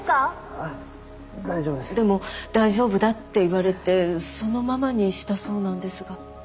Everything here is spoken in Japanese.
あ大丈夫です。でも大丈夫だって言われてそのままにしたそうなんですが。